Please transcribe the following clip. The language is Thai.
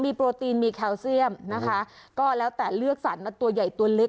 มีโปรตีนมีแคลเซียมนะคะก็แล้วแต่เลือกสรรตัวใหญ่ตัวเล็ก